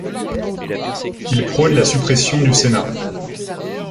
Ils prônent la suppression du Sénat.